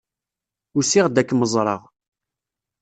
Usiɣ-d ad kem-ẓreɣ.